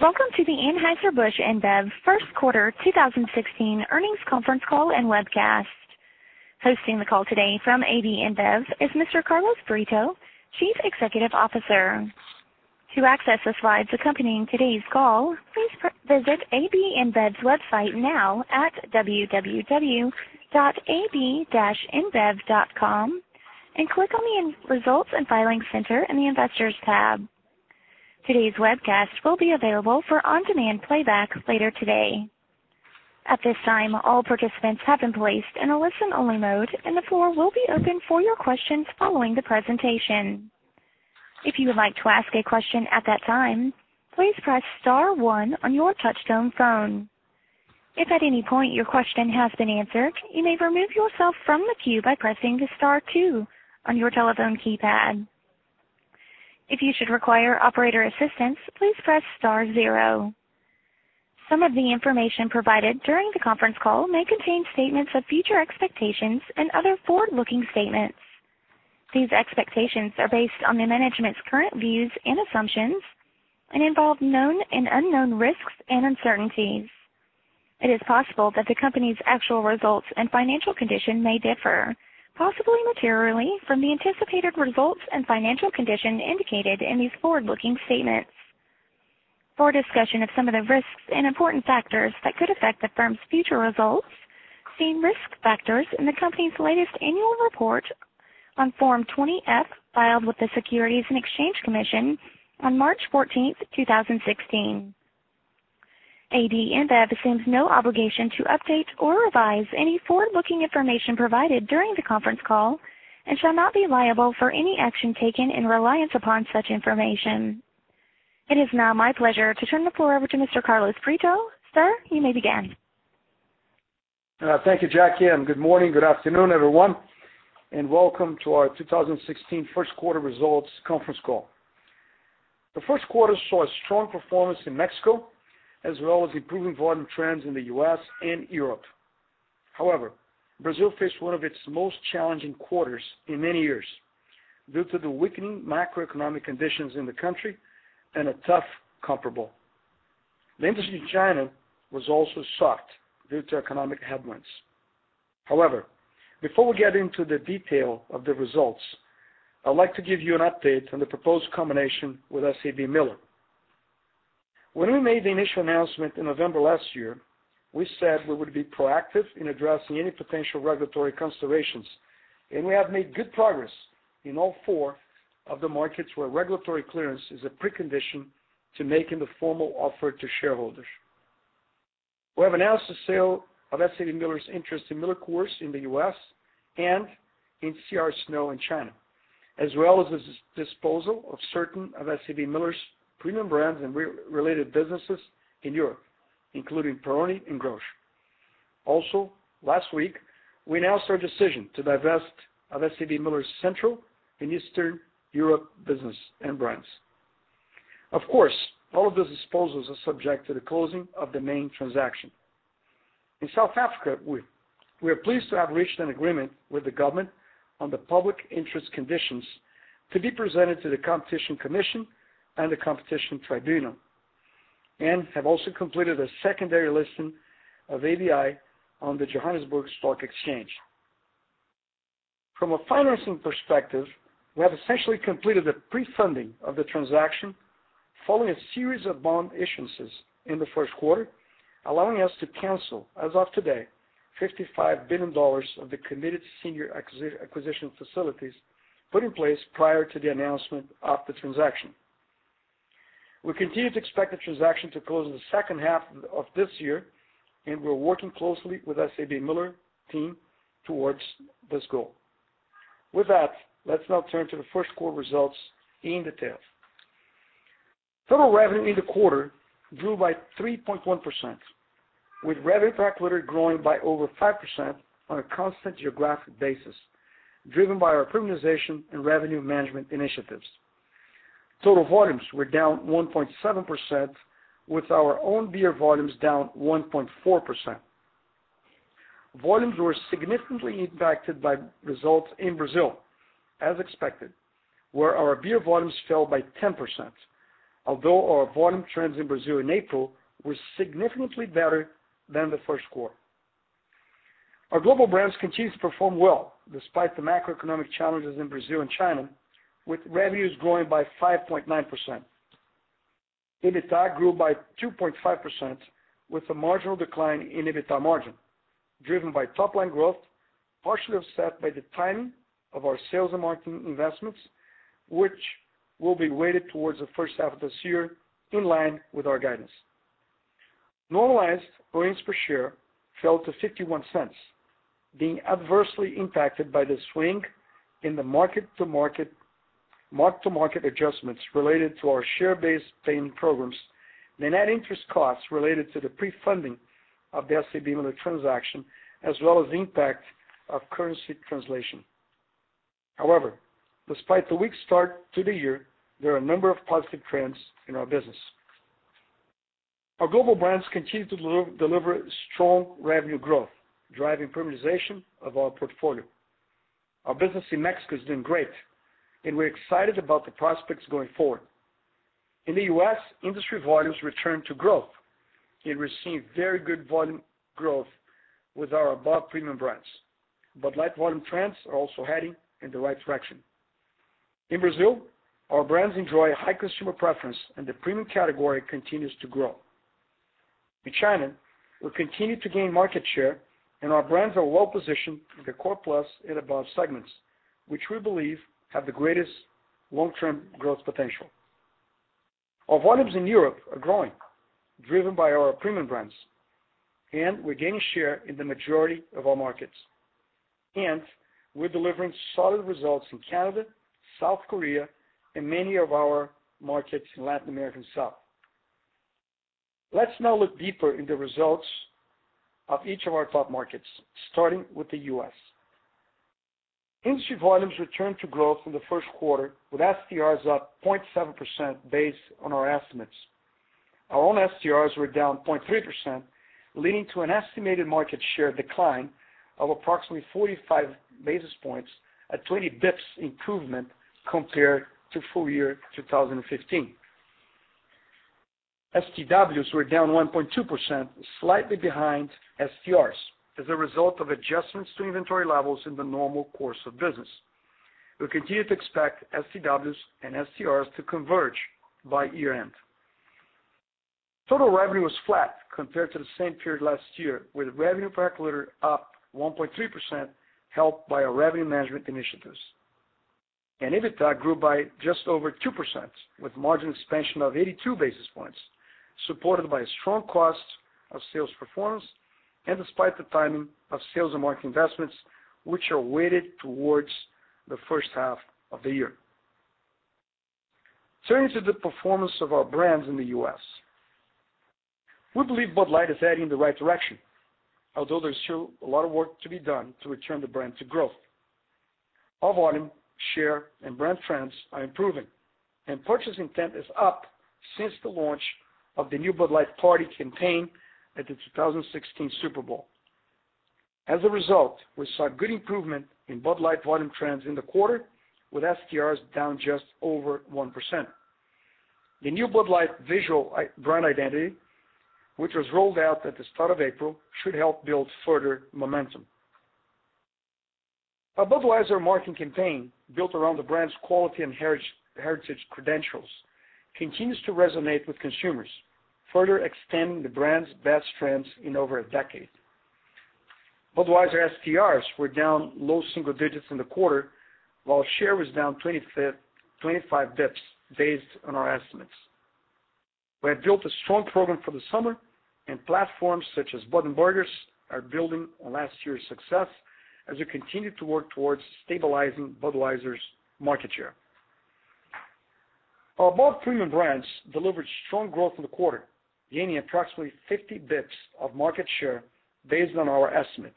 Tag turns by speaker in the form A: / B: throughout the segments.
A: Welcome to the Anheuser-Busch InBev first quarter 2016 earnings conference call and webcast. Hosting the call today from AB InBev is Mr. Carlos Brito, Chief Executive Officer. To access the slides accompanying today's call, please visit AB InBev's website now at www.ab-inbev.com and click on the Results and Filings Center in the Investors tab. Today's webcast will be available for on-demand playback later today. At this time, all participants have been placed in a listen-only mode. The floor will be open for your questions following the presentation. If you would like to ask a question at that time, please press star one on your touchtone phone. If at any point your question has been answered, you may remove yourself from the queue by pressing star two on your telephone keypad. If you should require operator assistance, please press star zero. Some of the information provided during the conference call may contain statements of future expectations and other forward-looking statements. These expectations are based on the management's current views and assumptions and involve known and unknown risks and uncertainties. It is possible that the company's actual results and financial condition may differ, possibly materially, from the anticipated results and financial condition indicated in these forward-looking statements. For a discussion of some of the risks and important factors that could affect the firm's future results, see risk factors in the company's latest annual report on Form 20-F filed with the Securities and Exchange Commission on March 14th, 2016. AB InBev assumes no obligation to update or revise any forward-looking information provided during the conference call and shall not be liable for any action taken in reliance upon such information. It is now my pleasure to turn the floor over to Mr. Carlos Brito. Sir, you may begin.
B: Thank you, Jackie. Good morning, good afternoon, everyone, and welcome to our 2016 first quarter results conference call. The first quarter saw a strong performance in Mexico as well as improving volume trends in the U.S. and Europe. However, Brazil faced one of its most challenging quarters in many years due to the weakening macroeconomic conditions in the country and a tough comparable. The industry in China was also soft due to economic headwinds. However, before we get into the detail of the results, I'd like to give you an update on the proposed combination with SABMiller. When we made the initial announcement in November last year, we said we would be proactive in addressing any potential regulatory considerations. We have made good progress in all four of the markets where regulatory clearance is a precondition to making the formal offer to shareholders. We have announced the sale of SABMiller's interest in MillerCoors in the U.S. and in CR Snow in China, as well as the disposal of certain of SABMiller's premium brands and related businesses in Europe, including Peroni and Grolsch. Also, last week, we announced our decision to divest of SABMiller's Central and Eastern Europe business and brands. Of course, all of those disposals are subject to the closing of the main transaction. In South Africa, we are pleased to have reached an agreement with the government on the public interest conditions to be presented to the Competition Commission and the Competition Tribunal and have also completed a secondary listing of ABI on the Johannesburg Stock Exchange. From a financing perspective, we have essentially completed the pre-funding of the transaction following a series of bond issuances in the first quarter, allowing us to cancel, as of today, $55 billion of the committed senior acquisition facilities put in place prior to the announcement of the transaction. We continue to expect the transaction to close in the second half of this year, and we're working closely with SABMiller team towards this goal. With that, let's now turn to the first quarter results in detail. Total revenue in the quarter grew by 3.1%, with revenue per hectolitre growing by over 5% on a constant geographic basis, driven by our premiumization and revenue management initiatives. Total volumes were down 1.7%, with our own beer volumes down 1.4%. Volumes were significantly impacted by results in Brazil, as expected, where our beer volumes fell by 10%, although our volume trends in Brazil in April were significantly better than the first quarter. Our global brands continue to perform well despite the macroeconomic challenges in Brazil and China, with revenues growing by 5.9%. EBITDA grew by 2.5% with a marginal decline in EBITDA margin, driven by top-line growth, partially offset by the timing of our sales and marketing investments, which will be weighted towards the first half of this year, in line with our guidance. Normalized earnings per share fell to $0.51, being adversely impacted by the swing in the mark-to-market adjustments related to our share-based payment programs, the net interest costs related to the pre-funding of the SABMiller transaction, as well as the impact of currency translation. However, despite the weak start to the year, there are a number of positive trends in our business. Our global brands continue to deliver strong revenue growth, driving premiumization of our portfolio. Our business in Mexico is doing great, and we're excited about the prospects going forward. In the U.S., industry volumes returned to growth, and we're seeing very good volume growth with our above-premium brands. Bud Light volume trends are also heading in the right direction. In Brazil, our brands enjoy a high consumer preference, and the premium category continues to grow. In China, we continue to gain market share, and our brands are well-positioned in the core plus and above segments, which we believe have the greatest long-term growth potential. Our volumes in Europe are growing, driven by our premium brands, and we're gaining share in the majority of our markets. We're delivering solid results in Canada, South Korea, and many of our markets in Latin America South. Let's now look deeper into results of each of our top markets, starting with the U.S. Industry volumes returned to growth in the first quarter, with STRs up 0.7% based on our estimates. Our own STRs were down 0.3%, leading to an estimated market share decline of approximately 45 basis points, a 20 basis points improvement compared to full year 2015. STWs were down 1.2%, slightly behind STRs as a result of adjustments to inventory levels in the normal course of business. We continue to expect STWs and STRs to converge by year-end. Total revenue was flat compared to the same period last year, with revenue per hectolitre up 1.3%, helped by our revenue management initiatives. EBITDA grew by just over 2%, with margin expansion of 82 basis points, supported by strong cost of sales performance and despite the timing of sales and marketing investments, which are weighted towards the first half of the year. Turning to the performance of our brands in the U.S. We believe Bud Light is heading in the right direction, although there's still a lot of work to be done to return the brand to growth. Our volume, share, and brand trends are improving, and purchase intent is up since the launch of the new Bud Light Party campaign at the 2016 Super Bowl. As a result, we saw good improvement in Bud Light volume trends in the quarter, with STRs down just over 1%. The new Bud Light visual brand identity, which was rolled out at the start of April, should help build further momentum. Our Budweiser marketing campaign, built around the brand's quality and heritage credentials, continues to resonate with consumers, further extending the brand's best trends in over a decade. Budweiser STRs were down low single digits in the quarter, while share was down 25 basis points based on our estimates. We have built a strong program for the summer, and platforms such as Bud and Burgers are building on last year's success as we continue to work towards stabilizing Budweiser's market share. Our above-premium brands delivered strong growth for the quarter, gaining approximately 50 basis points of market share based on our estimate.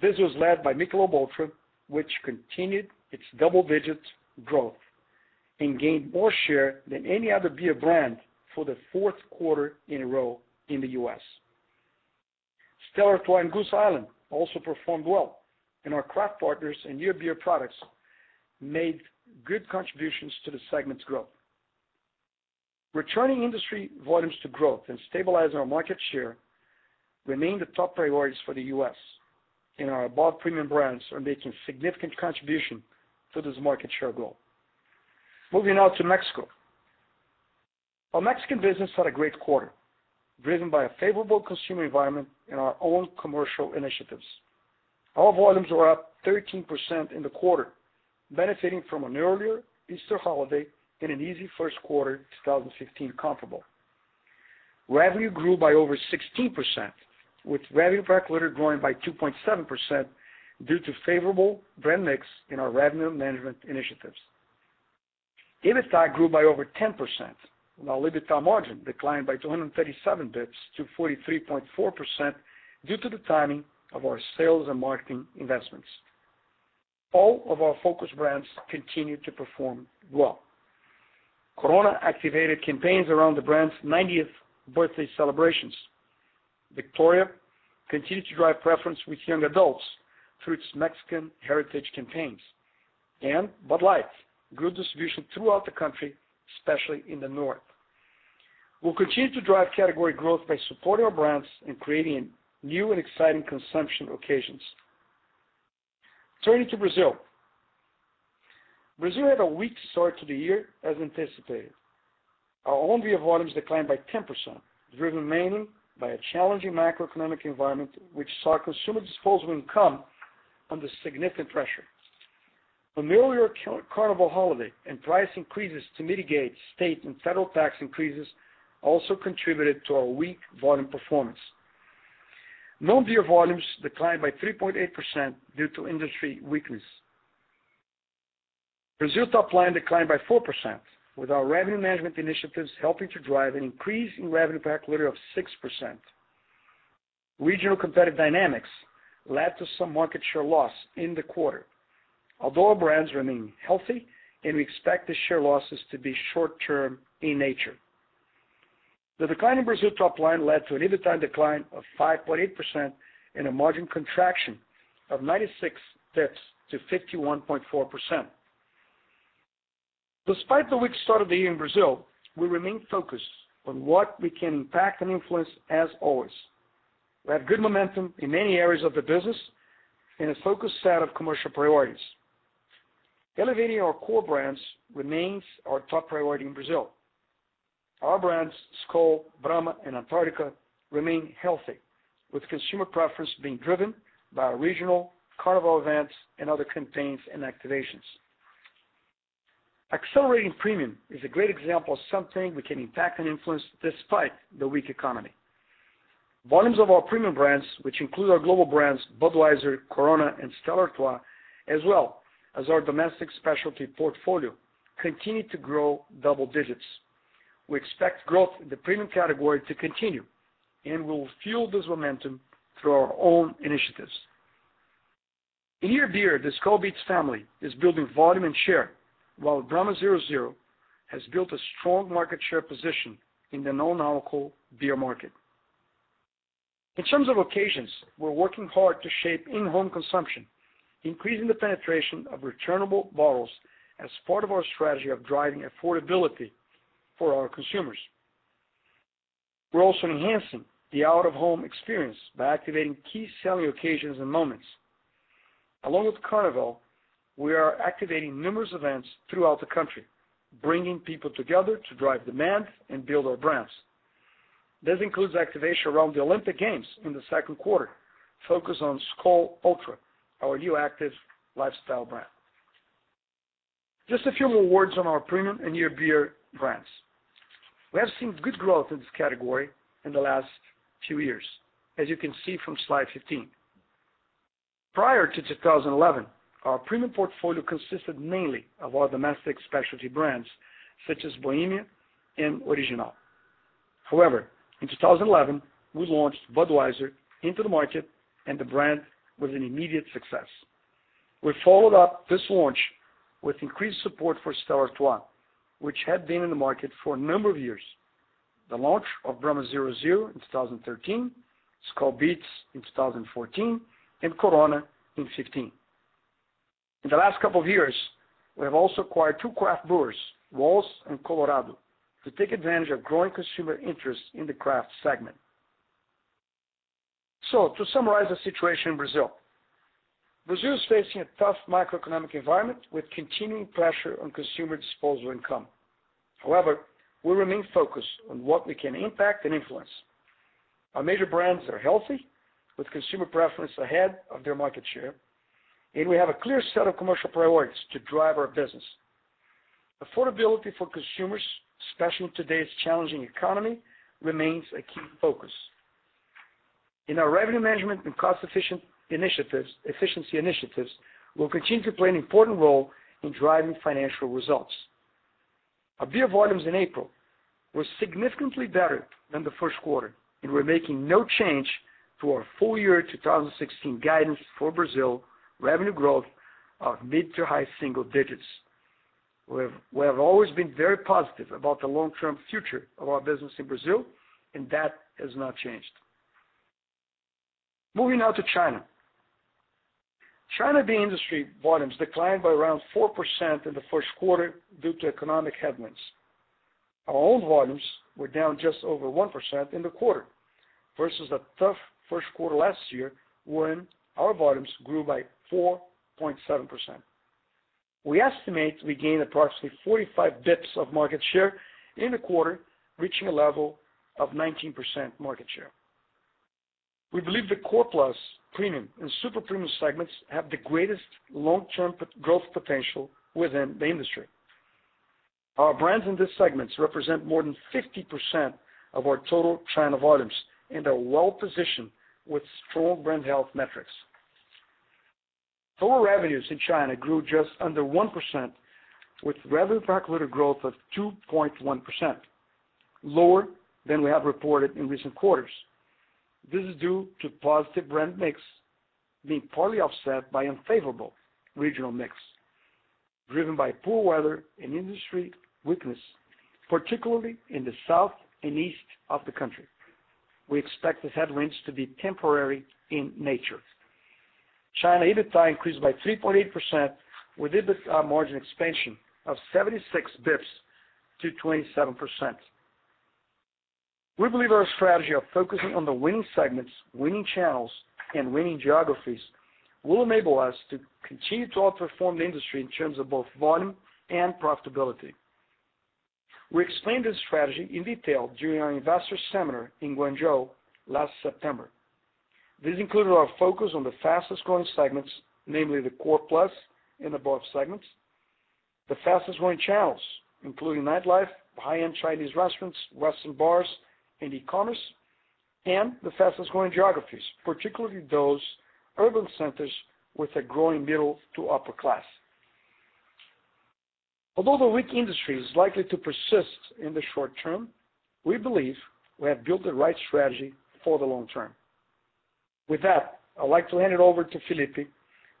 B: This was led by Michelob ULTRA, which continued its double-digit growth and gained more share than any other beer brand for the fourth quarter in a row in the U.S. Stella Artois and Goose Island also performed well, and our craft partners and new beer products made good contributions to the segment's growth. Returning industry volumes to growth and stabilizing our market share remain the top priorities for the U.S., and our above-premium brands are making significant contribution to this market share goal. Moving now to Mexico. Our Mexican business had a great quarter, driven by a favorable consumer environment and our own commercial initiatives. Our volumes were up 13% in the quarter, benefiting from an earlier Easter holiday and an easy first quarter 2015 comparable. Revenue grew by over 16%, with revenue per hectolitre growing by 2.7% due to favorable brand mix in our revenue management initiatives. EBITDA grew by over 10%, while EBITDA margin declined by 237 basis points to 43.4% due to the timing of our sales and marketing investments. All of our focus brands continued to perform well. Corona activated campaigns around the brand's 90th birthday celebrations. Victoria continued to drive preference with young adults through its Mexican heritage campaigns. Bud Light grew distribution throughout the country, especially in the north. We'll continue to drive category growth by supporting our brands and creating new and exciting consumption occasions. Turning to Brazil. Brazil had a weak start to the year, as anticipated. Our own beer volumes declined by 10%, driven mainly by a challenging macroeconomic environment, which saw consumer disposable income under significant pressure. An earlier Carnival holiday and price increases to mitigate state and federal tax increases also contributed to our weak volume performance. Non-beer volumes declined by 3.8% due to industry weakness. Brazil top line declined by 4%, with our revenue management initiatives helping to drive an increase in revenue per hectolitre of 6%. Regional competitive dynamics led to some market share loss in the quarter, although our brands remain healthy. We expect the share losses to be short-term in nature. The decline in Brazil top line led to an EBITDA decline of 5.8% and a margin contraction of 96 basis points to 51.4%. Despite the weak start of the year in Brazil, we remain focused on what we can impact and influence as always. We have good momentum in many areas of the business and a focused set of commercial priorities. Elevating our core brands remains our top priority in Brazil. Our brands, Skol, Brahma, and Antarctica, remain healthy, with consumer preference being driven by regional Carnival events and other campaigns and activations. Accelerating premium is a great example of something we can impact and influence despite the weak economy. Volumes of our premium brands, which include our global brands, Budweiser, Corona, and Stella Artois, as well as our domestic specialty portfolio, continue to grow double digits. We expect growth in the premium category to continue. We'll fuel this momentum through our own initiatives. In beer, the Skol Beats family is building volume and share, while Brahma 0.0 has built a strong market share position in the non-alcoholic beer market. In terms of occasions, we're working hard to shape in-home consumption, increasing the penetration of returnable bottles as part of our strategy of driving affordability for our consumers. We're also enhancing the out-of-home experience by activating key selling occasions and moments. Along with Carnival, we are activating numerous events throughout the country, bringing people together to drive demand and build our brands. This includes activation around the Olympic Games in the second quarter, focused on Skol Ultra, our new active lifestyle brand. Just a few more words on our premium and beer brands. We have seen good growth in this category in the last few years, as you can see from slide 15. Prior to 2011, our premium portfolio consisted mainly of our domestic specialty brands, such as Bohemia and Original. In 2011, we launched Budweiser into the market. The brand was an immediate success. We followed up this launch with increased support for Stella Artois, which had been in the market for a number of years. The launch of Brahma 0.0 in 2013, Skol Beats in 2014, Corona in 2015. In the last couple of years, we have also acquired two craft brewers, Wäls and Colorado, to take advantage of growing consumer interest in the craft segment. To summarize the situation in Brazil. Brazil is facing a tough macroeconomic environment with continuing pressure on consumer disposable income. However, we remain focused on what we can impact and influence. Our major brands are healthy, with consumer preference ahead of their market share, and we have a clear set of commercial priorities to drive our business. Affordability for consumers, especially in today's challenging economy, remains a key focus. Our revenue management and cost-efficiency initiatives will continue to play an important role in driving financial results. Our beer volumes in April were significantly better than the first quarter, and we're making no change to our full-year 2016 guidance for Brazil revenue growth of mid to high single digits. We have always been very positive about the long-term future of our business in Brazil, and that has not changed. Moving now to China. China beer industry volumes declined by around 4% in the first quarter due to economic headwinds. Our own volumes were down just over 1% in the quarter versus a tough first quarter last year when our volumes grew by 4.7%. We estimate we gained approximately 45 basis points of market share in the quarter, reaching a level of 19% market share. We believe the core plus premium and super-premium segments have the greatest long-term growth potential within the industry. Our brands in these segments represent more than 50% of our total China volumes and are well-positioned with strong brand health metrics. Total revenues in China grew just under 1%, with revenue per hectolitre growth of 2.1%, lower than we have reported in recent quarters. This is due to positive brand mix being partly offset by unfavorable regional mix, driven by poor weather and industry weakness, particularly in the south and east of the country. We expect the headwinds to be temporary in nature. China EBITDA increased by 3.8% with EBIT margin expansion of 76 basis points to 27%. We believe our strategy of focusing on the winning segments, winning channels, and winning geographies will enable us to continue to outperform the industry in terms of both volume and profitability. We explained this strategy in detail during our investor seminar in Guangzhou last September. This included our focus on the fastest-growing segments, namely the core plus and above segments. The fastest-growing channels, including nightlife, high-end Chinese restaurants, western bars, and e-commerce, and the fastest-growing geographies, particularly those urban centers with a growing middle to upper class. The weak industry is likely to persist in the short term, we believe we have built the right strategy for the long term. With that, I'd like to hand it over to Felipe,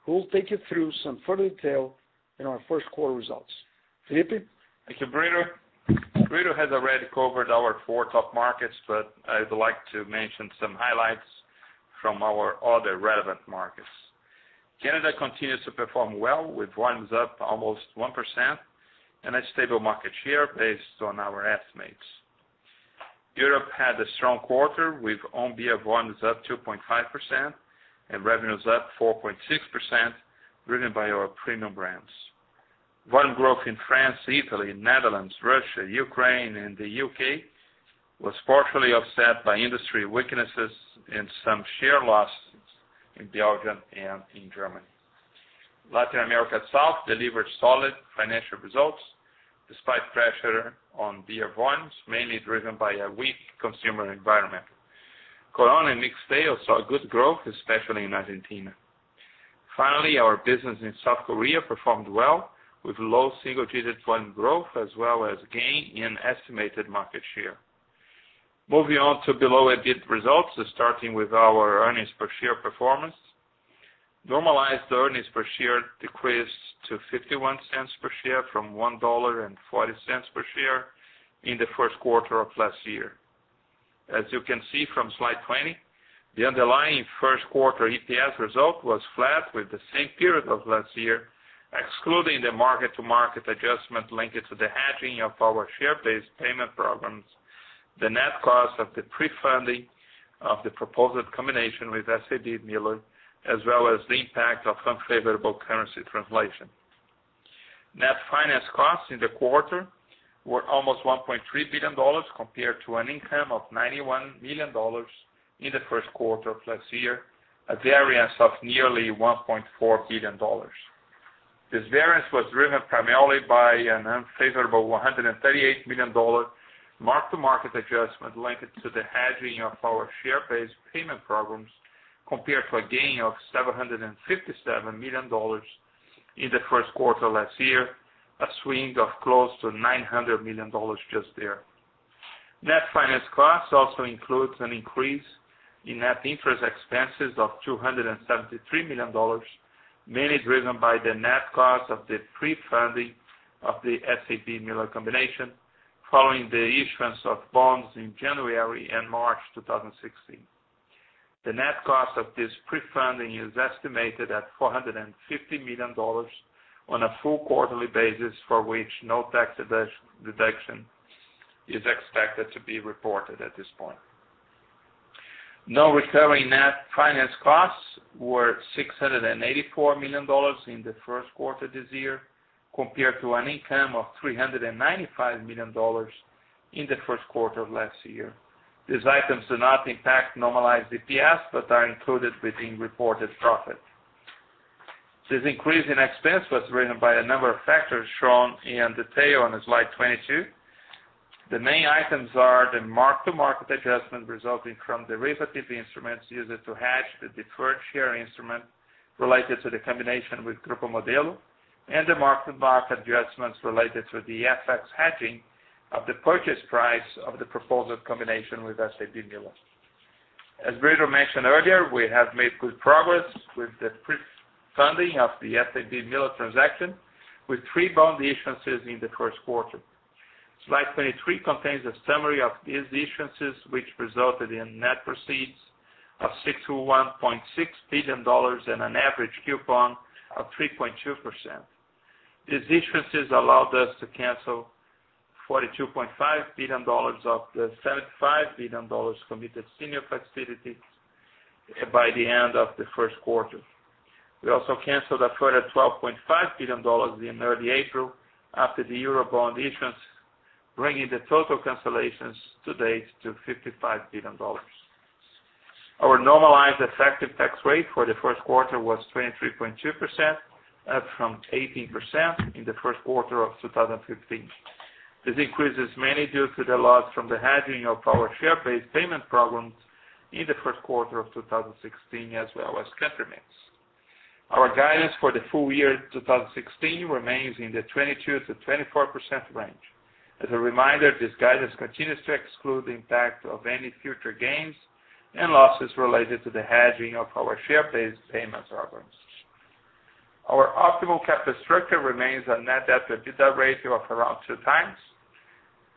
B: who will take you through some further detail in our first quarter results. Felipe?
C: Thank you, Brito. Brito has already covered our four top markets, but I would like to mention some highlights from our other relevant markets. Canada continues to perform well with volumes up almost 1% and a stable market share based on our estimates. Europe had a strong quarter with own-beer volumes up 2.5% and revenues up 4.6%, driven by our premium brands. Volume growth in France, Italy, Netherlands, Russia, Ukraine, and the UK was partially offset by industry weaknesses and some share losses in Belgium and in Germany. Latin America South delivered solid financial results despite pressure on beer volumes, mainly driven by a weak consumer environment. Corona and Mixxtail saw good growth, especially in Argentina. Finally, our business in South Korea performed well, with low single-digit volume growth, as well as gain in estimated market share. Moving on to below EPS results, starting with our earnings per share performance. Normalized earnings per share decreased to $0.51 per share from $1.40 per share in the first quarter of last year. As you can see from slide 20, the underlying first quarter EPS result was flat with the same period of last year, excluding the mark-to-market adjustment linked to the hedging of our share-based payment programs, the net cost of the pre-funding of the proposed combination with SABMiller, as well as the impact of unfavorable currency translation. Net finance costs in the quarter were almost $1.3 billion compared to an income of $91 million in the first quarter of last year, a variance of nearly $1.4 billion. This variance was driven primarily by an unfavorable $138 million mark-to-market adjustment linked to the hedging of our share-based payment programs, compared to a gain of $757 million in the first quarter last year, a swing of close to $900 million just there. Net finance costs also includes an increase in net interest expenses of $273 million, mainly driven by the net cost of the pre-funding of the SABMiller combination following the issuance of bonds in January and March 2016. The net cost of this pre-funding is estimated at $450 million on a full quarterly basis, for which no tax deduction is expected to be reported at this point. Non-recurring net finance costs were $684 million in the first quarter this year, compared to an income of $395 million in the first quarter of last year. These items do not impact normalized EPS but are included within reported profit. This increase in expense was driven by a number of factors shown in detail on slide 22. The main items are the mark-to-market adjustment resulting from derivative instruments used to hedge the deferred share instrument related to the combination with Grupo Modelo and the mark-to-market adjustments related to the FX hedging of the purchase price of the proposed combination with SABMiller. As Brito mentioned earlier, we have made good progress with the pre-funding of the SABMiller transaction with three bond issuances in the first quarter. Slide 23 contains a summary of these issuances, which resulted in net proceeds of $61.6 billion and an average coupon of 3.2%. These issuances allowed us to cancel $42.5 billion of the $75 billion committed senior facilities by the end of the first quarter. We also canceled a further $12.5 billion in early April after the euro bond issuance, bringing the total cancellations to date to $55 billion. Our normalized effective tax rate for the first quarter was 23.2%, up from 18% in the first quarter of 2015. This increase is mainly due to the loss from the hedging of our share-based payment programs in the first quarter of 2016, as well as governments. Our guidance for the full year 2016 remains in the 22%-24% range. As a reminder, this guidance continues to exclude the impact of any future gains and losses related to the hedging of our share-based payments programs. Our optimal capital structure remains a net debt to EBITDA ratio of around two times.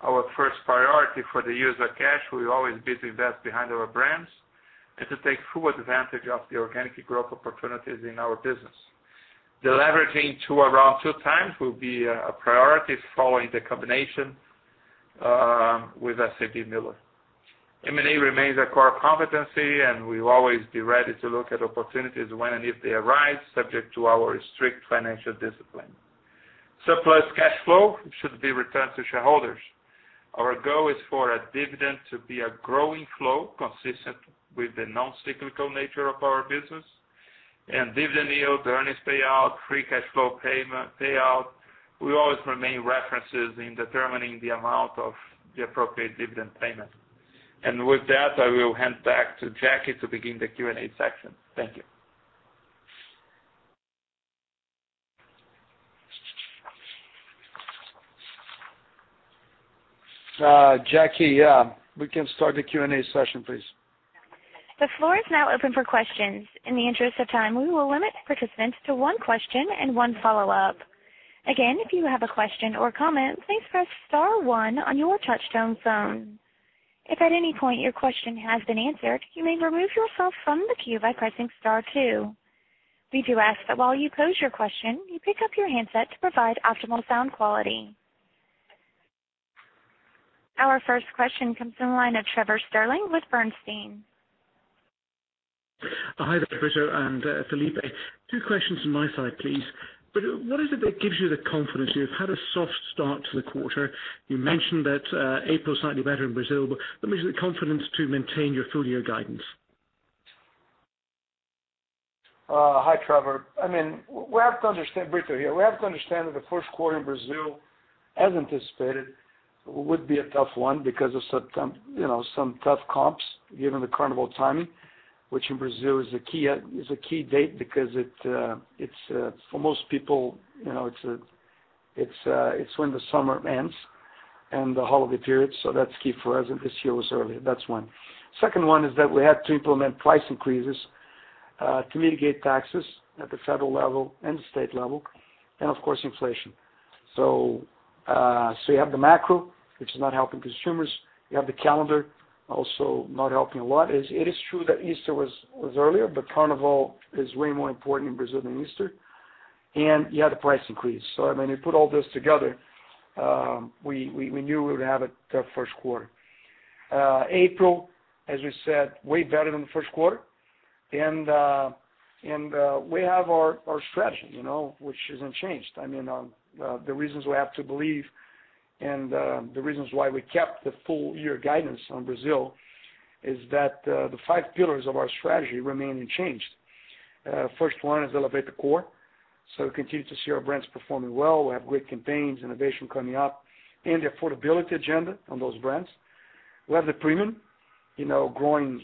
C: Our first priority for the use of cash will always be to invest behind our brands and to take full advantage of the organic growth opportunities in our business. Deleveraging to around two times will be a priority following the combination with SABMiller. M&A remains a core competency. We will always be ready to look at opportunities when and if they arise, subject to our strict financial discipline. Surplus cash flow should be returned to shareholders. Our goal is for our dividend to be a growing flow consistent with the non-cyclical nature of our business. Dividend yield, earnings payout, free cash flow payout will always remain references in determining the amount of the appropriate dividend payment. With that, I will hand back to Jackie to begin the Q&A section. Thank you. Jackie, we can start the Q&A session, please.
A: The floor is now open for questions. In the interest of time, we will limit participants to one question and one follow-up. Again, if you have a question or comment, please press star one on your touch-tone phone. If at any point your question has been answered, you may remove yourself from the queue by pressing star two. We do ask that while you pose your question, you pick up your handset to provide optimal sound quality. Our first question comes from the line of Trevor Stirling with Bernstein.
D: Hi there, Brito and Felipe. Two questions from my side, please. Brito, what is it that gives you the confidence? You've had a soft start to the quarter. You mentioned that April is slightly better in Brazil, but what gives you the confidence to maintain your full-year guidance?
B: Hi, Trevor. Brito here. We have to understand that the first quarter in Brazil, as anticipated, would be a tough one because of some tough comps, given the Carnival timing, which in Brazil is a key date because for most people, it's when the summer ends and the holiday period. That's key for us, and this year was early. That's one. Second one is that we had to implement price increases to mitigate taxes at the federal level and the state level, and of course, inflation. You have the macro, which is not helping consumers. You have the calendar also not helping a lot. It is true that Easter was earlier, but Carnival is way more important in Brazil than Easter. You had the price increase. When you put all this together, we knew we would have a tough first quarter. April, as we said, way better than the first quarter. We have our strategy, which isn't changed. The reasons we have to believe and the reasons why we kept the full-year guidance on Brazil is that the five pillars of our strategy remain unchanged. First one is elevate the core. We continue to see our brands performing well. We have great campaigns, innovation coming up, and the affordability agenda on those brands. We have the premium growing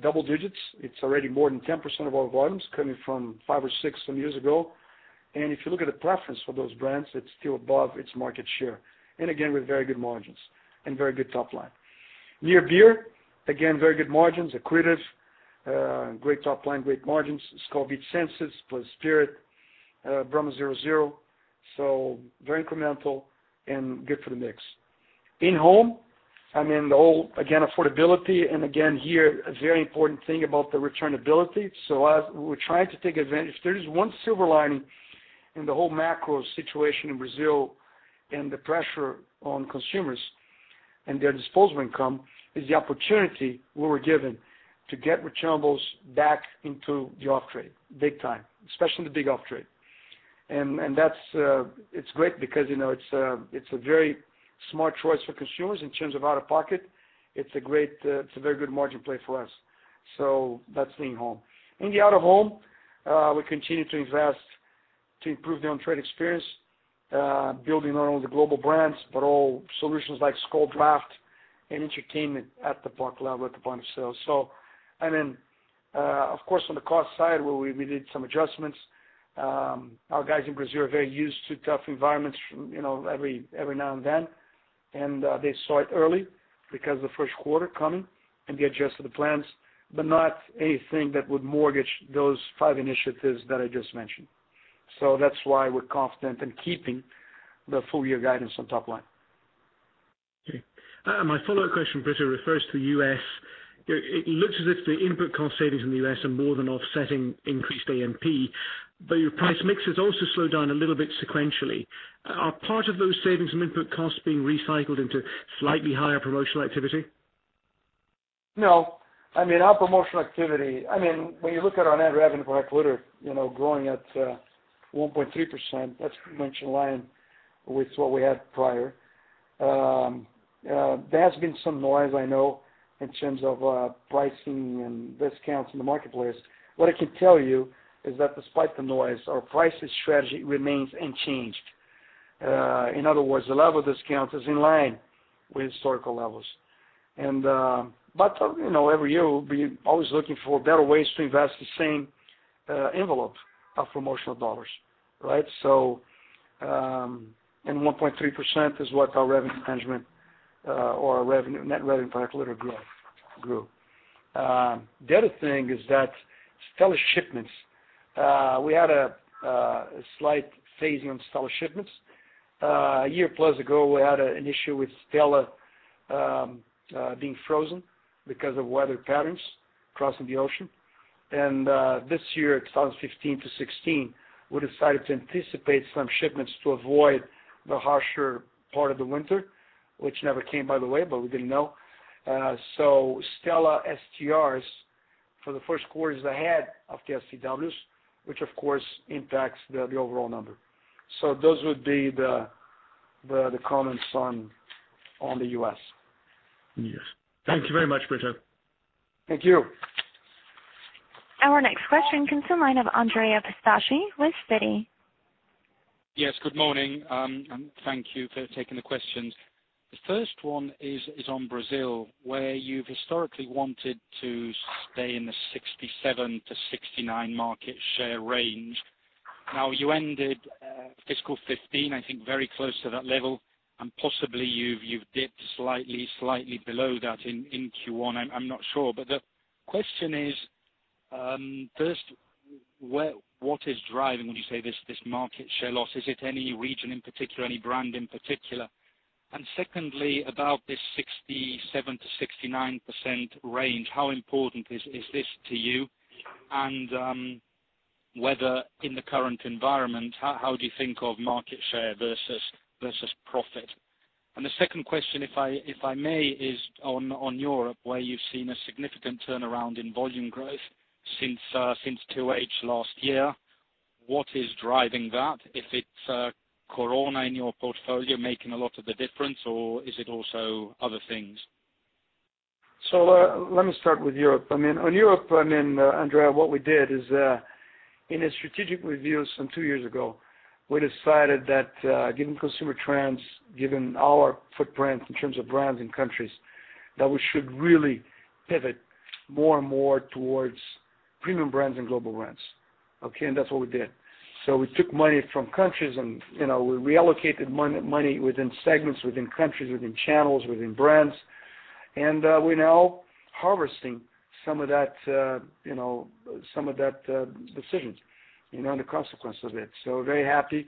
B: double digits. It's already more than 10% of our volumes coming from 5% or 6% years ago. If you look at the preference for those brands, it's still above its market share, and again, with very good margins and very good top line. Near beer, again, very good margins. Acritez, great top line, great margins. Skol Beats Senses, Skol Beats Spirit, Brahma 0.0%, so very incremental and good for the mix. In home, the whole, again, affordability, and again, here, a very important thing about the returnability. As we're trying to take advantage. If there is one silver lining in the whole macro situation in Brazil and the pressure on consumers and their disposable income is the opportunity we were given to get returnables back into the off-trade big time, especially in the big off-trade. It's great because it's a very smart choice for consumers in terms of out-of-pocket. It's a very good margin play for us. That's in-home. In the out-of-home, we continue to invest to improve the on-trade experience, building not only the global brands, but all solutions like Skol Draft and entertainment at the bar level, at the point of sale. Then, of course, on the cost side, where we did some adjustments. Our guys in Brazil are very used to tough environments every now and then. They saw it early because of the first quarter coming. They adjusted the plans, not anything that would mortgage those five initiatives that I just mentioned. That's why we're confident in keeping the full-year guidance on top line.
D: Okay. My follow-up question, Brito, refers to U.S. It looks as if the input cost savings in the U.S. are more than offsetting increased AMP. Your price mix has also slowed down a little bit sequentially. Are part of those savings from input costs being recycled into slightly higher promotional activity?
B: No. When you look at our net revenue per hectolitre growing at 1.3%, that's pretty much in line with what we had prior. There has been some noise, I know, in terms of pricing and discounts in the marketplace. What I can tell you is that despite the noise, our pricing strategy remains unchanged. In other words, the level of discount is in line with historical levels. Every year, we're always looking for better ways to invest the same envelope of promotional dollars, right? 1.3% is what our revenue management or our net revenue per hectolitre grew. The other thing is that Stella shipments. We had a slight phasing on Stella shipments. A year plus ago, we had an issue with Stella being frozen because of weather patterns crossing the ocean. This year, 2015 to 2016, we decided to anticipate some shipments to avoid the harsher part of the winter, which never came, by the way. We didn't know. Stella STRs for the first quarter is ahead of the STWs, which of course impacts the overall number. Those would be the comments on the U.S.
D: Yes. Thank you very much, Brito.
B: Thank you.
A: Our next question comes from the line of Andrea Pistacchi with Citi.
E: Yes, good morning. Thank you for taking the questions. The first one is on Brazil, where you've historically wanted to stay in the 67%-69% market share range. You ended fiscal 2015, I think, very close to that level, and possibly you've dipped slightly below that in Q1. I'm not sure. The question is, first, what is driving, would you say, this market share loss? Is it any region in particular, any brand in particular? Secondly, about this 67%-69% range, how important is this to you? Whether in the current environment, how do you think of market share versus profit? The second question, if I may, is on Europe, where you've seen a significant turnaround in volume growth since 2H last year, what is driving that? If it's Corona in your portfolio making a lot of the difference, or is it also other things?
B: Let me start with Europe. On Europe, Andrea Pistacchi, what we did is, in a strategic review some two years ago, we decided that given consumer trends, given our footprint in terms of brands and countries, that we should really pivot more and more towards premium brands and global brands. That's what we did. We took money from countries, and we reallocated money within segments, within countries, within channels, within brands. We're now harvesting some of that decisions, and the consequence of it. We're very happy,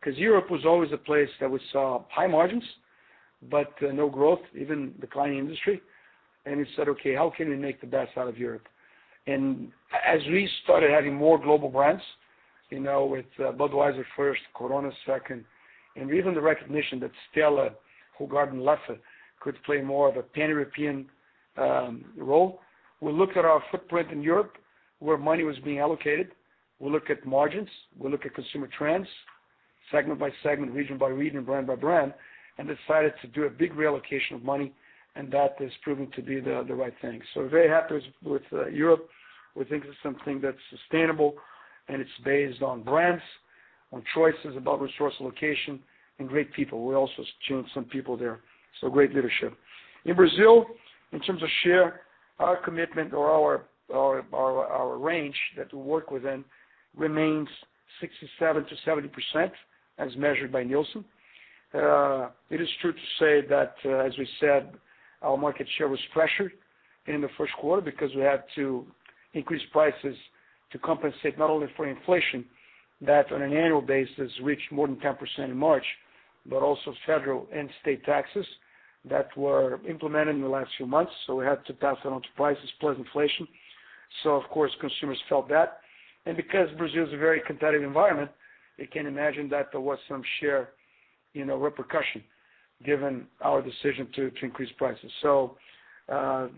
B: because Europe was always a place that we saw high margins, but no growth, even declining industry. We said, "Okay, how can we make the best out of Europe?" As we started adding more global brands, with Budweiser first, Corona second, and even the recognition that Stella, Hoegaarden, Leffe could play more of a pan-European role. We looked at our footprint in Europe, where money was being allocated. We looked at margins, we looked at consumer trends, segment by segment, region by region, and brand by brand, and decided to do a big reallocation of money. That has proven to be the right thing. We're very happy with Europe. We think it's something that's sustainable, and it's based on brands, on choices about resource allocation, and great people. We also changed some people there, great leadership. In Brazil, in terms of share, our commitment or our range that we work within remains 67%-70%, as measured by Nielsen. It is true to say that, as we said, our market share was pressured in the first quarter because we had to increase prices to compensate not only for inflation, that on an annual basis reached more than 10% in March, but also federal and state taxes that were implemented in the last few months. We had to pass that on to prices plus inflation. Of course, consumers felt that. Because Brazil is a very competitive environment, you can imagine that there was some share repercussion given our decision to increase prices. That's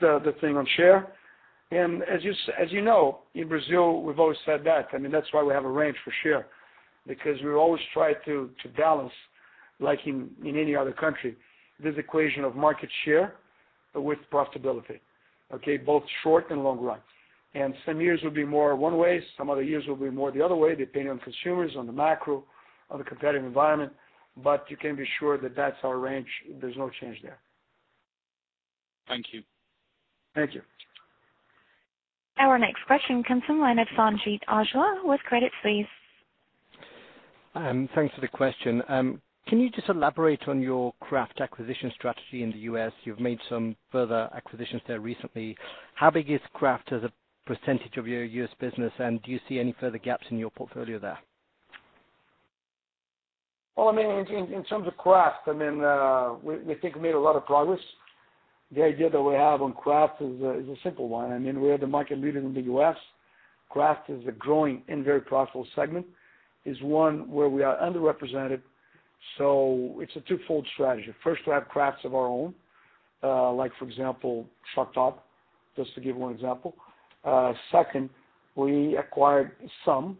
B: the thing on share. As you know, in Brazil, we've always said that. That's why we have a range for share because we always try to balance, like in any other country, this equation of market share with profitability, both short and long run. Some years will be more one way, some other years will be more the other way, depending on consumers, on the macro, on the competitive environment. You can be sure that that's our range. There's no change there.
E: Thank you.
B: Thank you.
A: Our next question comes from the line of Sanjeet Aujla with Credit Suisse.
F: Thanks for the question. Can you just elaborate on your craft acquisition strategy in the U.S.? You've made some further acquisitions there recently. How big is craft as a percentage of your U.S. business, and do you see any further gaps in your portfolio there?
B: In terms of craft, we think we made a lot of progress. The idea that we have on craft is a simple one. We are the market leader in the U.S. Craft is a growing and very profitable segment, is one where we are underrepresented. It's a twofold strategy. First, to have crafts of our own, like for example, Shock Top, just to give one example. Second, we acquired some,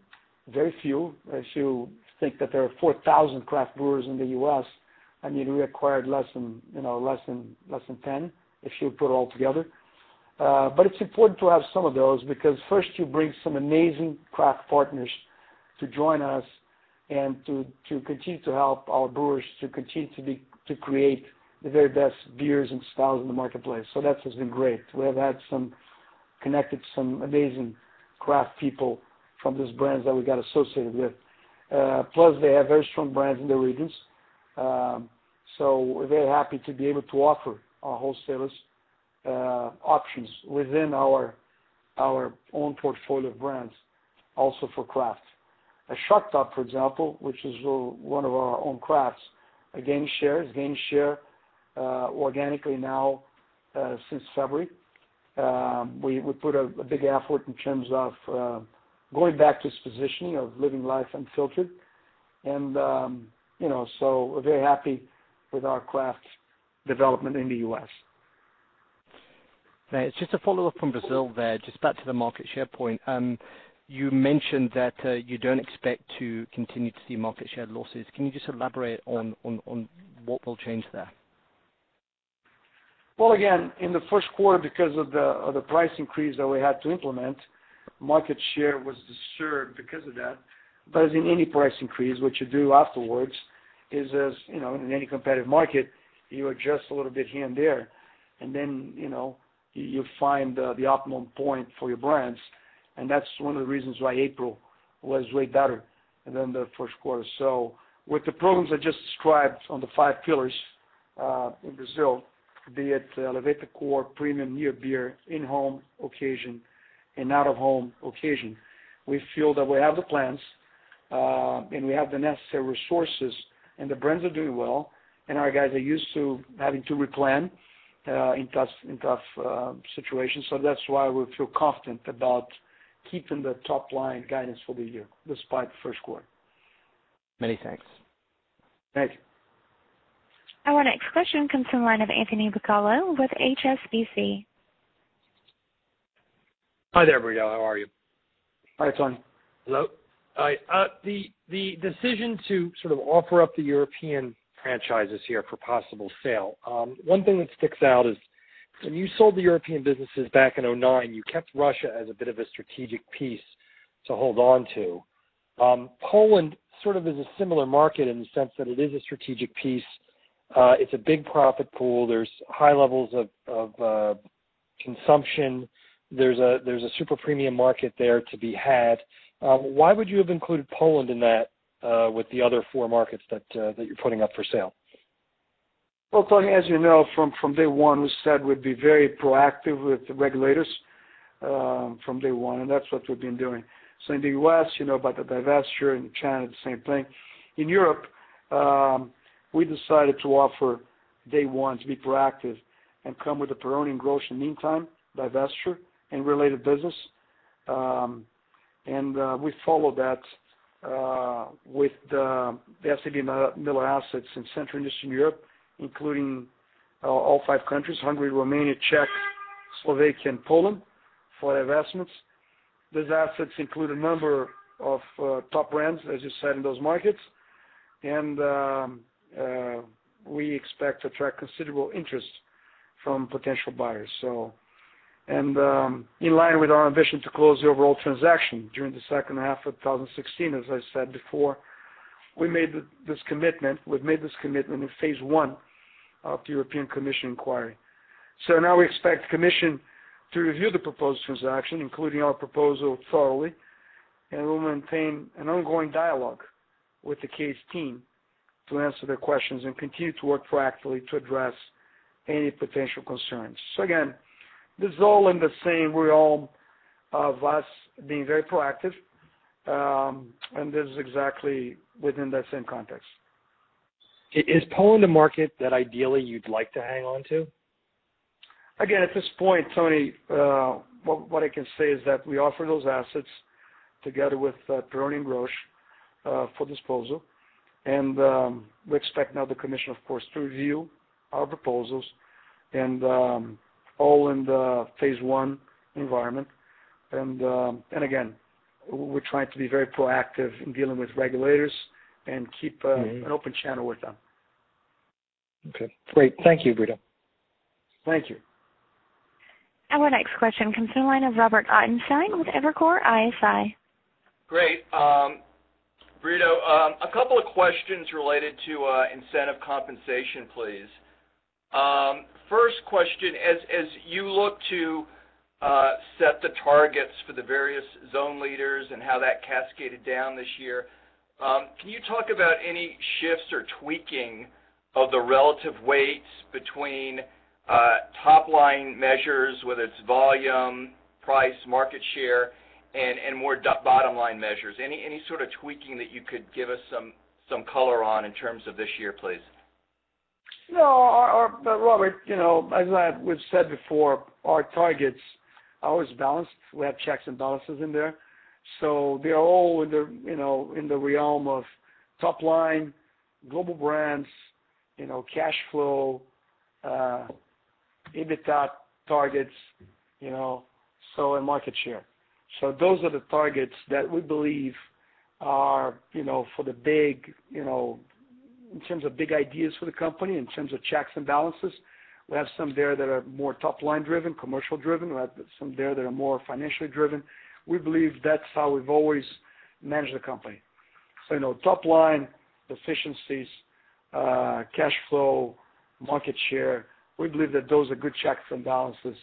B: very few, if you think that there are 4,000 craft brewers in the U.S., we acquired less than 10, if you put it all together. It's important to have some of those because first you bring some amazing craft partners to join us and to continue to help our brewers to continue to create the very best beers and styles in the marketplace. That has been great. We have connected some amazing craft people from these brands that we got associated with. Plus, they have very strong brands in the regions. We're very happy to be able to offer our wholesalers options within our own portfolio of brands, also for craft. A Shock Top, for example, which is one of our own crafts, again, shares gain share organically now, since February. We put a big effort in terms of going back to its positioning of living life unfiltered, and so we're very happy with our craft development in the U.S.
F: It's just a follow-up from Brazil there, just back to the market share point. You mentioned that you don't expect to continue to see market share losses. Can you just elaborate on what will change there?
B: Again, in the first quarter, because of the price increase that we had to implement, market share was disturbed because of that. As in any price increase, what you do afterwards is as, in any competitive market, you adjust a little bit here and there. Then, you find the optimum point for your brands, and that's one of the reasons why April was way better than the first quarter. With the problems I just described on the five pillars, in Brazil, be it Elevate the Core, premium near beer, in-home occasion, and out-of-home occasion, we feel that we have the plans, and we have the necessary resources, and the brands are doing well, and our guys are used to having to re-plan, in tough situations. That's why we feel confident about keeping the top-line guidance for the year, despite the first quarter.
F: Many thanks.
B: Thank you.
A: Our next question comes from the line of Anthony Bucalo with HSBC.
G: Hi there, Brito. How are you?
B: Hi, Tony.
G: Hello. Hi. The decision to sort of offer up the European franchises here for possible sale, one thing that sticks out is when you sold the European businesses back in 2009, you kept Russia as a bit of a strategic piece to hold on to. Poland sort of is a similar market in the sense that it is a strategic piece. It's a big profit pool. There's high levels of consumption. There's a super premium market there to be had. Why would you have included Poland in that, with the other four markets that you're putting up for sale?
B: Well, Tony, as you know, from day one, we said we'd be very proactive with the regulators, from day one. That's what we've been doing. In the U.S., you know about the divestiture. In China, the same thing. In Europe, we decided to offer day one to be proactive and come with a Peroni and Grolsch meantime divestiture and related business. We followed that, with the SABMiller assets in Central and Eastern Europe, including all five countries, Hungary, Romania, Czech, Slovak and Poland for divestments. Those assets include a number of top brands, as you said, in those markets. We expect to attract considerable interest from potential buyers. In line with our ambition to close the overall transaction during the second half of 2016, as I said before, we've made this commitment in phase one of the European Commission inquiry. Now we expect the Commission to review the proposed transaction, including our proposal thoroughly, and we'll maintain an ongoing dialogue with the case team to answer their questions and continue to work proactively to address any potential concerns. Again, this is all in the same realm of us being very proactive, and this is exactly within that same context.
G: Is Poland a market that ideally you'd like to hang on to?
B: Again, at this point, Tony, what I can say is that we offer those assets together with Peroni and Grolsch for disposal, and we expect now the Commission, of course, to review our proposals and all in the phase one environment. Again, we're trying to be very proactive in dealing with regulators and keep an open channel with them.
G: Okay, great. Thank you, Brito.
B: Thank you.
A: Our next question comes from the line of Robert Ottenstein with Evercore ISI.
H: Great. Brito, a couple of questions related to incentive compensation, please. First question, as you look to set the targets for the various zone leaders and how that cascaded down this year, can you talk about any shifts or tweaking of the relative weights between top-line measures, whether it's volume, price, market share, and more bottom-line measures? Any sort of tweaking that you could give us some color on in terms of this year, please?
B: No. Robert, as I've said before, our targets are always balanced. We have checks and balances in there. They are all in the realm of top line, global brands, cash flow, EBITDA targets, and market share. Those are the targets that we believe are for the big, in terms of big ideas for the company, in terms of checks and balances. We have some there that are more top-line driven, commercial driven. We have some there that are more financially driven. We believe that's how we've always managed the company. Top line, efficiencies, cash flow, market share, we believe that those are good checks and balances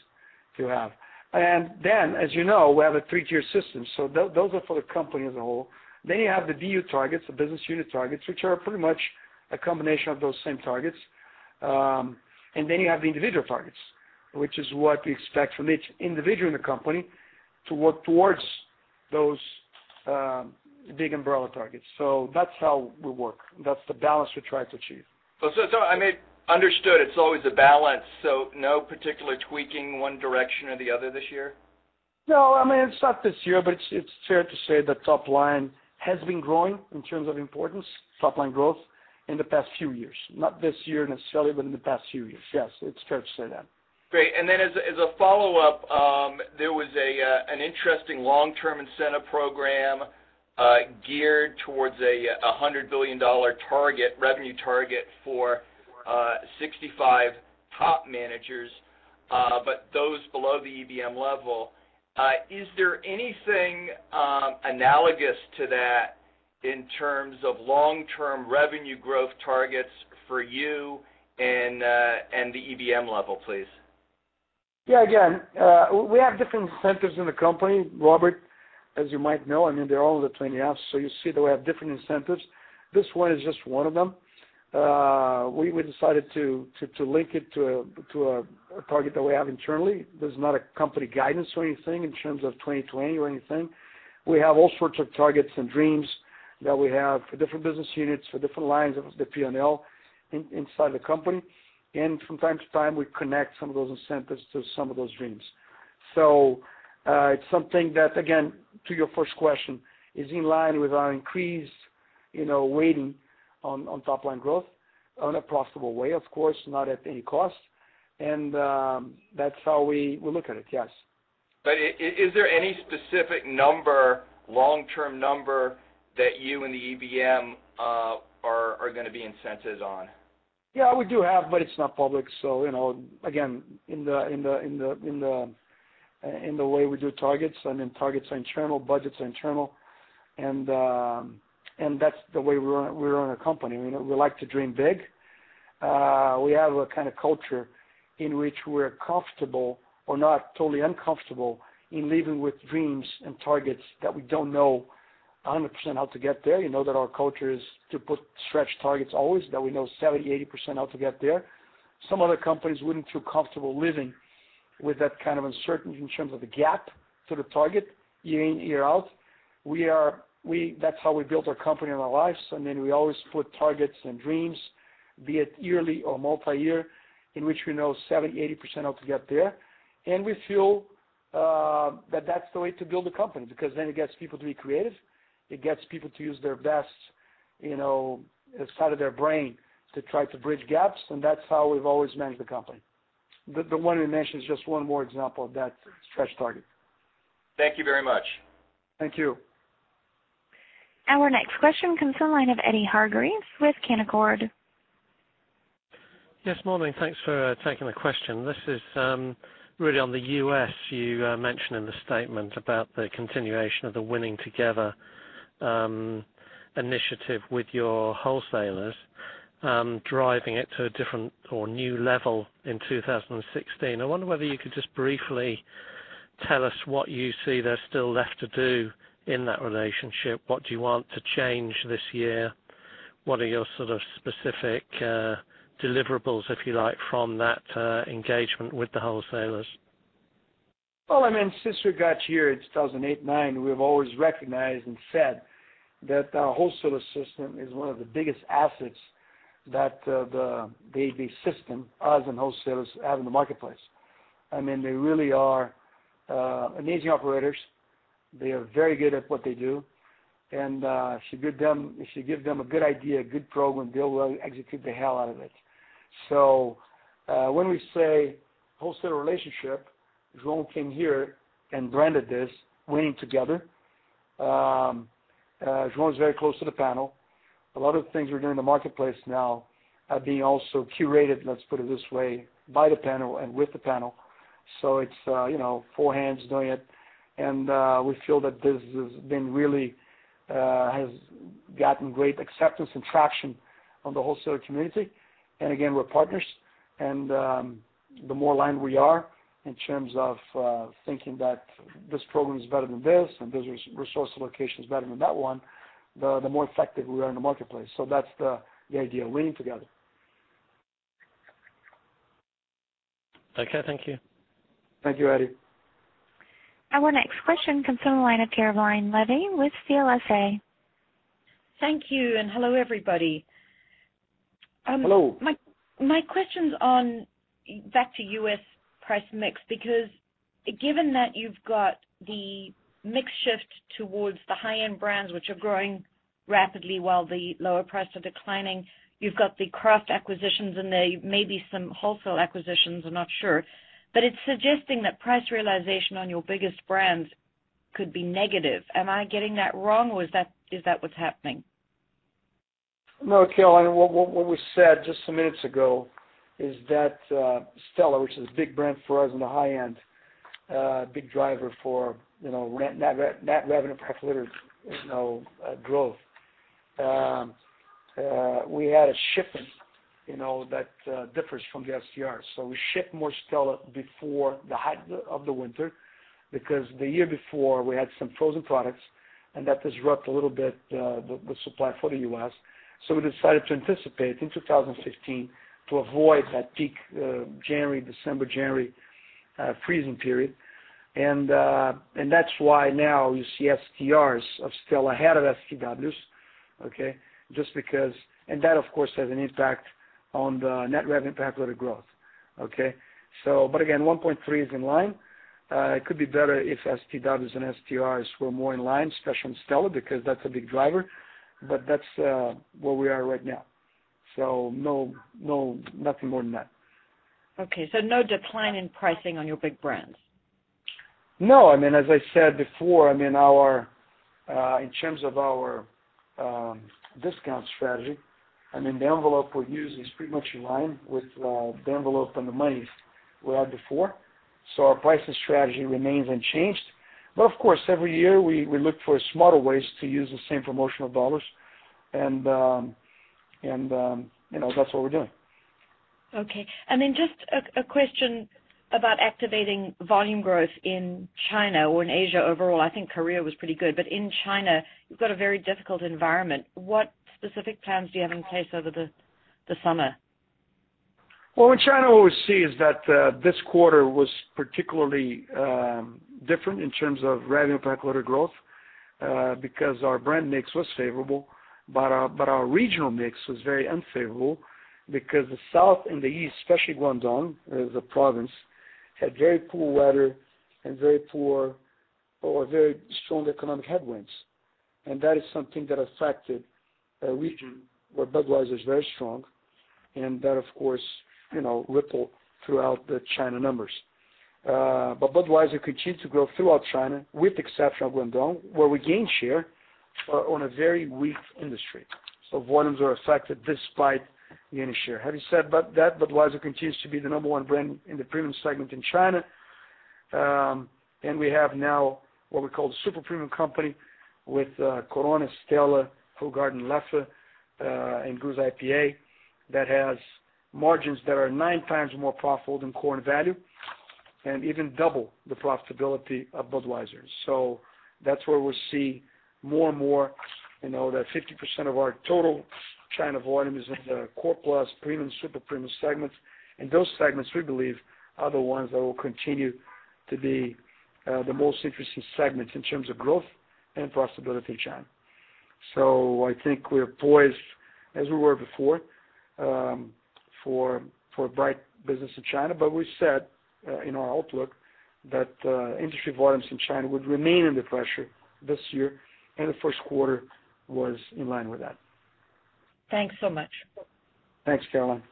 B: to have. And then, as you know, we have a three-tier system. Those are for the company as a whole. You have the BU targets, the business unit targets, which are pretty much a combination of those same targets. You have the individual targets, which is what we expect from each individual in the company to work towards those big umbrella targets. That's how we work. That's the balance we try to achieve.
H: Understood. It's always a balance, no particular tweaking one direction or the other this year?
B: It's not this year, but it's fair to say that top line has been growing in terms of importance, top-line growth in the past few years. Not this year necessarily, but in the past few years. It's fair to say that.
H: Great. As a follow-up, there was an interesting long-term incentive program geared towards a $100 billion revenue target for 65 top managers, but those below the EBM level. Is there anything analogous to that in terms of long-term revenue growth targets for you and the EBM level, please.
B: Yeah. Again, we have different incentives in the company, Robert, as you might know. I mean, they're all explained out, so you see that we have different incentives. This one is just one of them. We decided to link it to a target that we have internally. There's not a company guidance or anything in terms of 2020 or anything. We have all sorts of targets and dreams that we have for different business units, for different lines of the P&L inside the company. And from time to time, we connect some of those incentives to some of those dreams. So it's something that, again, to your first question, is in line with our increased weighting on top-line growth on a profitable way, of course, not at any cost. And that's how we look at it. Yes.
H: Is there any specific number, long-term number, that you and the EBM are going to be incented on?
B: Yeah, we do have, but it's not public. So again, in the way we do targets, I mean, targets are internal, budgets are internal, and that's the way we run a company. We like to dream big. We have a culture in which we're comfortable or not totally uncomfortable in living with dreams and targets that we don't know 100% how to get there. You know that our culture is to put stretch targets always that we know 70%, 80% how to get there. Some other companies wouldn't feel comfortable living with that kind of uncertainty in terms of the gap to the target year in, year out. That's how we built our company and our lives, and then we always put targets and dreams, be it yearly or multi-year, in which we know 70%, 80% how to get there. We feel that that's the way to build a company, because then it gets people to be creative. It gets people to use their best side of their brain to try to bridge gaps, and that's how we've always managed the company. The one you mentioned is just one more example of that stretch target.
H: Thank you very much.
B: Thank you.
A: Our next question comes from the line of Eddy Hargreaves with Canaccord.
I: Yes, morning. Thanks for taking the question. This is really on the U.S. You mentioned in the statement about the continuation of the Winning Together initiative with your wholesalers, driving it to a different or new level in 2016. I wonder whether you could just briefly tell us what you see there's still left to do in that relationship. What do you want to change this year? What are your sort of specific deliverables, if you like, from that engagement with the wholesalers?
B: Well, I mean, since we got here in 2008, '09, we've always recognized and said that our wholesaler system is one of the biggest assets that the AB system, us and wholesalers, have in the marketplace. They really are amazing operators. They are very good at what they do, and if you give them a good idea, a good program, they'll execute the hell out of it. When we say wholesaler relationship, João came here and branded this Winning Together. João is very close to the panel. A lot of things we're doing in the marketplace now are being also curated, let's put it this way, by the panel and with the panel. It's four hands doing it, and we feel that this has gotten great acceptance and traction on the wholesaler community. Again, we're partners, and the more aligned we are in terms of thinking that this program is better than this, and this resource allocation is better than that one, the more effective we are in the marketplace. That's the idea, Winning Together.
I: Okay, thank you.
B: Thank you, Eddy.
A: Our next question comes from the line of Caroline Levy with CLSA.
J: Thank you, and hello, everybody.
B: Hello.
J: My question's on back to U.S. price mix, because given that you've got the mix shift towards the high-end brands, which are growing rapidly while the lower price are declining, you've got the craft acquisitions and maybe some wholesale acquisitions, I'm not sure, but it's suggesting that price realization on your biggest brands could be negative. Am I getting that wrong, or is that what's happening?
B: No, Caroline, what we said just some minutes ago is that Stella, which is a big brand for us on the high end, a big driver for net revenue per hectolitre growth. We had a shipment that differs from the STRs. We shipped more Stella before the height of the winter because the year before, we had some frozen products, and that disrupted a little bit the supply for the U.S. We decided to anticipate in 2016 to avoid that peak December, January freezing period, and that's why now you see STRs of Stella ahead of STWs, okay? That, of course, has an impact on the net revenue per hectolitre growth, okay? Again, 1.3 is in line. It could be better if STWs and STRs were more in line, especially on Stella, because that's a big driver, but that's where we are right now. Nothing more than that.
J: Okay, no decline in pricing on your big brands?
B: No. As I said before, in terms of our discount strategy, the envelope we use is pretty much in line with the envelope and the money we had before. Our pricing strategy remains unchanged. Of course, every year we look for smarter ways to use the same promotional dollars, and that's what we're doing.
J: Okay. Then just a question about activating volume growth in China or in Asia overall. I think Korea was pretty good, but in China you've got a very difficult environment. What specific plans do you have in place over the summer?
B: Well, what China always sees that this quarter was particularly different in terms of revenue per quarter growth, because our brand mix was favorable. Our regional mix was very unfavorable because the south and the east, especially Guangdong, the province, had very poor weather and very poor or very strong economic headwinds. That is something that affected a region where Budweiser is very strong, and that, of course, rippled throughout the China numbers. Budweiser continued to grow throughout China, with the exception of Guangdong, where we gained share on a very weak industry. Volumes are affected despite gaining share. Having said that, Budweiser continues to be the number one brand in the premium segment in China. We have now what we call the super premium company with Corona, Stella, Hoegaarden, Leffe, and Goose IPA, that has margins that are nine times more profitable than core and value, and even double the profitability of Budweiser. That's where we'll see more and more, that 50% of our total China volume is in the core plus premium, super premium segments. Those segments, we believe, are the ones that will continue to be the most interesting segments in terms of growth and profitability in China. I think we're poised, as we were before, for bright business in China. We said in our outlook that industry volumes in China would remain under pressure this year, and the first quarter was in line with that.
J: Thanks so much.
B: Thanks, Caroline.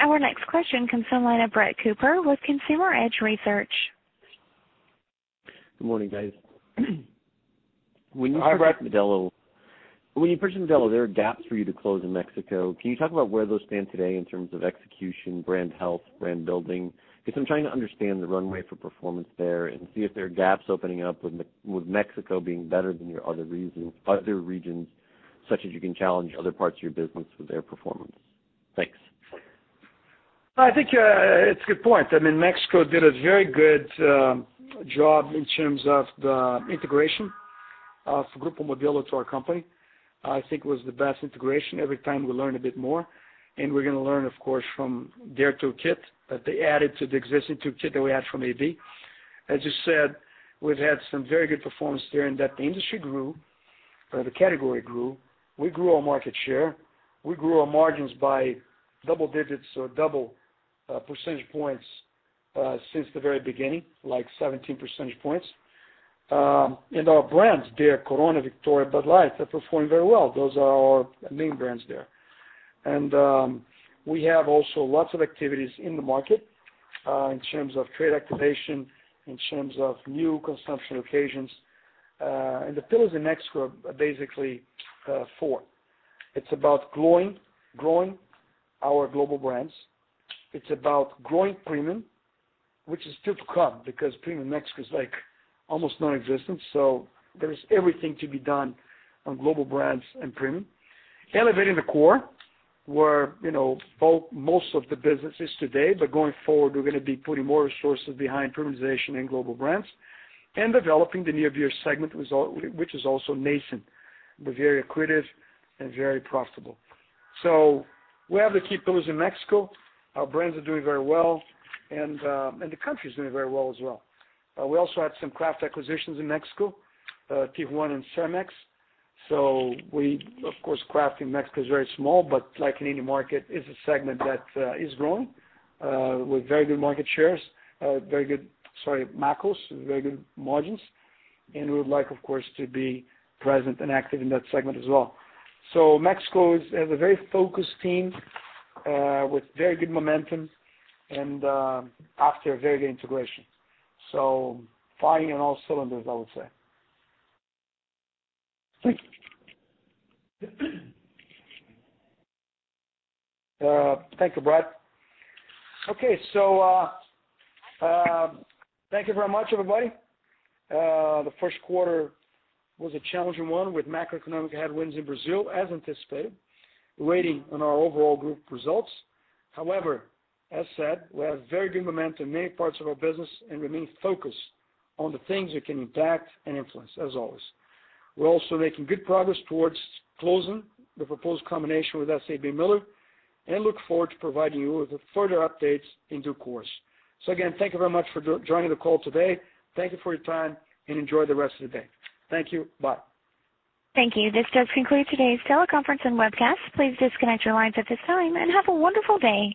A: Our next question comes on the line of Brett Cooper with Consumer Edge Research.
K: Good morning, guys.
B: Hi, Brett.
K: When you purchased Modelo, there are gaps for you to close in Mexico. Can you talk about where those stand today in terms of execution, brand health, brand building? Because I'm trying to understand the runway for performance there and see if there are gaps opening up with Mexico being better than your other regions, such as you can challenge other parts of your business with their performance. Thanks.
B: I think it's a good point. I mean, Mexico did a very good job in terms of the integration of Grupo Modelo to our company. I think it was the best integration. Every time we learn a bit more, and we're going to learn, of course, from their tool kit that they added to the existing tool kit that we had from AB. As you said, we've had some very good performance there in that the industry grew, the category grew. We grew our market share. We grew our margins by double digits or double percentage points since the very beginning, like 17 percentage points. Our brands there, Corona, Victoria, Bud Light, are performing very well. Those are our main brands there. We have also lots of activities in the market, in terms of trade activation, in terms of new consumption occasions. The pillars in Mexico are basically four. It's about growing our global brands. It's about growing premium, which is still to come, because premium in Mexico is almost nonexistent. There is everything to be done on global brands and premium. Elevating the core, where most of the business is today, but going forward, we're going to be putting more resources behind premiumization and global brands. Developing the near beer segment result, which is also nascent, but very accretive and very profitable. We have the key pillars in Mexico. Our brands are doing very well, and the country is doing very well as well. We also had some craft acquisitions in Mexico, Tigre and CERMEX. Of course, craft in Mexico is very small, but like in any market, it's a segment that is growing, with very good market shares, very good macros, very good margins. We would like, of course, to be present and active in that segment as well. Mexico has a very focused team, with very good momentum and after a very good integration. Firing on all cylinders, I would say. Thank you, Brett. Okay, so thank you very much, everybody. The first quarter was a challenging one with macroeconomic headwinds in Brazil, as anticipated, weighing on our overall group results. However, as said, we have very good momentum in many parts of our business and remain focused on the things we can impact and influence as always. We're also making good progress towards closing the proposed combination with SABMiller and look forward to providing you with further updates in due course. Again, thank you very much for joining the call today. Thank you for your time, and enjoy the rest of the day. Thank you. Bye.
A: Thank you. This does conclude today's teleconference and webcast. Please disconnect your lines at this time and have a wonderful day.